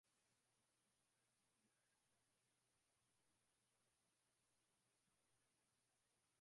maeneo ya mbuga ya Serengeti kuwazuia wanyama hao kuvuka kuingia Kenya